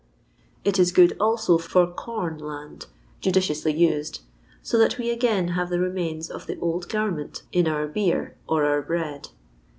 It is good also for com land (judiciously used), so that we again baye the remains of the old garment in our beer or our bread.